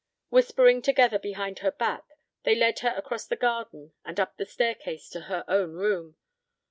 Whispering together behind her back, they led her across the garden and up the staircase to her own room.